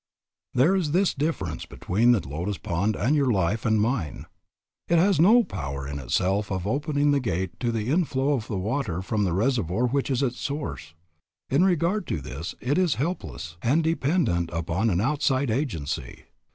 There is this difference between the lotus pond and your life and mine. It has no power in itself of opening the gate to the inflow of the water from the reservoir which is its source. In regard to this it is helpless and dependent upon an outside agency.